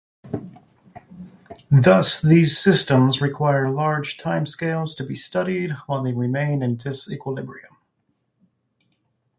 Thus these systems require large time-scales to be studied while they remain in disequilibrium.